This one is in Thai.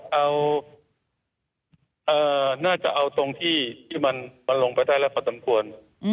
เราต้องเอาน่าจะเอาตรงที่ที่มันลงไปได้แล้วพอต้องควร